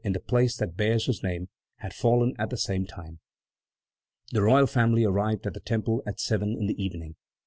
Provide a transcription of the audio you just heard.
in the place that bears his name, had fallen at the same time. The royal family arrived at the Temple at seven in the evening.